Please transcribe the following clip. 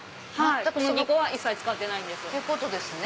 小麦粉は一切使ってないんです。